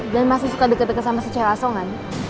dan masih suka deket deket sama secewasongan